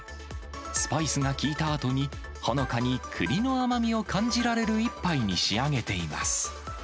スパイスが効いたあとに、ほのかにくりの甘みを感じられる一杯に仕上げています。